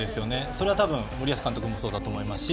それは森保監督もそうだと思いますし